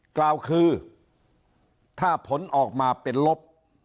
กล่าวคือถ้าผลออกมาเป็นลบ